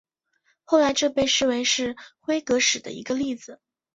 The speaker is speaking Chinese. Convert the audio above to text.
后来这被视为是辉格史的一个例子。